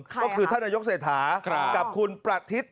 ก็คือท่านนายกเศรษฐากับคุณประทิศ